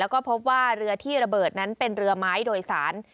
แล้วก็พบว่าเรือที่ระเบิดนั้นเป็นเรือไม้โดยสาร